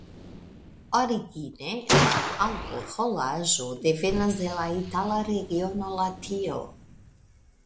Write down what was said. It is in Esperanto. Origine la alkoholaĵo devenas de la italia regiono Latio.